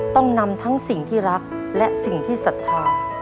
ต้องนำทั้งสิ่งที่รักและสิ่งที่ศรัทธา